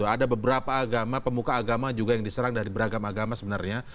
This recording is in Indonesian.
ada beberapa agama pemuka agama juga yang diserang dari beragam agama sebenarnya